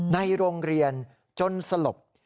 ในโรงเรียนจนสลบ